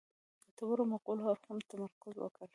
ګټورو معقولو اړخونو تمرکز وکړو.